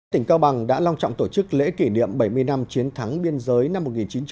tỉnh cao bằng đã long trọng tổ chức lễ kỷ niệm bảy mươi năm chiến thắng biên giới năm một nghìn chín trăm bảy mươi năm